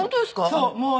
そう。